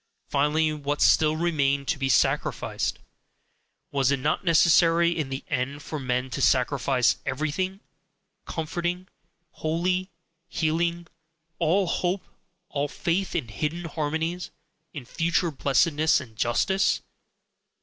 Finally, what still remained to be sacrificed? Was it not necessary in the end for men to sacrifice everything comforting, holy, healing, all hope, all faith in hidden harmonies, in future blessedness and justice?